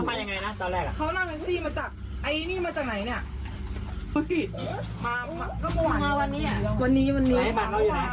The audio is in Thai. เขานั่งที่มาจากไอ้นี่มาจากไหนเนี่ย